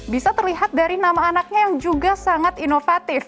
bisa terlihat dari nama anaknya yang juga sangat inovatif